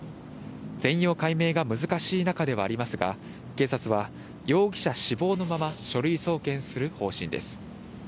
全容解明が難しい中ではありますが、警察は、容疑者死亡のまま書類送検する方針です。